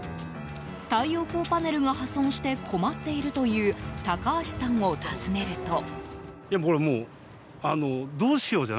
太陽光パネルが破損して困っているという高橋さんを訪ねると。